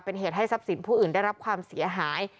เป็นเหตุให้ทรัพย์สินผู้อื่นได้รับความเสียหาย